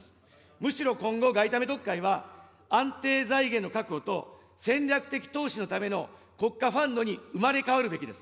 むしろ今後、外為特会は、安定財源の確保と、戦略的投資のための国家ファンドに生まれ変わるべきです。